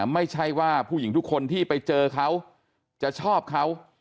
ไม่ใช่ว่าผู้หญิงทุกคนที่ไปเจอเขาจะชอบเขา